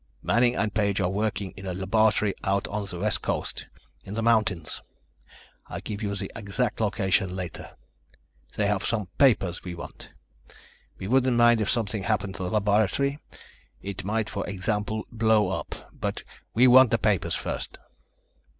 Manning and Page are working in a laboratory out on the West Coast, in the mountains. I'll give you the exact location later. They have some papers we want. We wouldn't mind if something happened to the laboratory. It might, for example blow up. But we want the papers first."